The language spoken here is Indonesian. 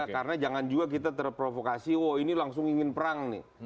karena jangan juga kita terprovokasi wah ini langsung ingin perang nih